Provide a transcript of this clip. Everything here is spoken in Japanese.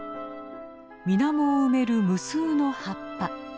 水面を埋める無数の葉っぱ。